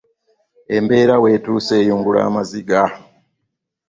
Embeera wetuuse eyungula amaziga.